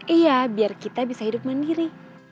iya biar kita bisa hidup mandiri